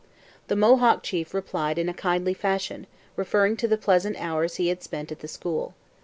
The Mohawk chief replied in a kindly fashion, referring to the pleasant hours he had spent at the school.